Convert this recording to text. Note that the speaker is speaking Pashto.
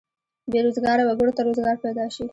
بې روزګاره وګړو ته روزګار پیدا شي.